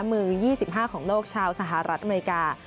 มือ๒๕ของโลกชาวสหรัฐอเมริกา